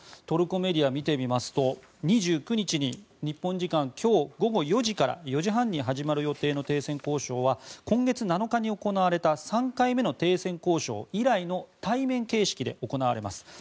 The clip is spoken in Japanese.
トルコメディアを見てみますと２９日に日本時間今日午後４時半に始まる予定の停戦交渉は今月７日に行われた３回目の停戦交渉以来の対面形式で行われます。